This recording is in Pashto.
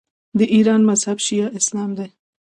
د ایران مذهب شیعه اسلام دی.